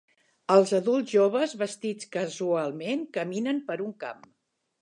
Els adults joves vestits casualment caminen per un camp.